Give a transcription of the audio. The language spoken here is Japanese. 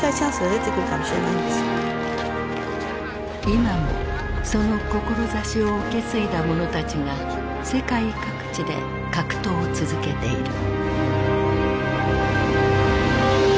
今もその志を受け継いだ者たちが世界各地で格闘を続けている。